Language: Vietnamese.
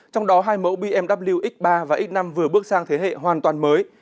trong đó hai mẫu bmw x ba và x năm vừa bước sang thế hệ hoàn toàn mới